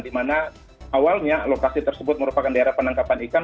dimana awalnya lokasi tersebut merupakan daerah penangkapan ikan